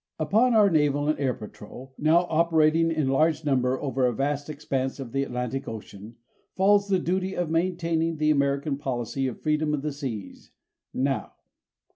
Upon our naval and air patrol now operating in large number over a vast expanse of the Atlantic Ocean falls the duty of maintaining the American policy of freedom of the seas now.